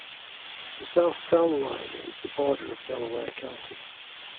The south town line is the border of Delaware County.